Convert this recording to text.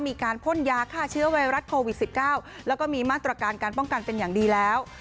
พ่นยาฆ่าเชื้อไวรัสโควิด๑๙แล้วก็มีมาตรการการป้องกันเป็นอย่างดีแล้ว